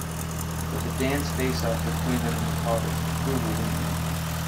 With a dance face-off between them on the cards, who will win out?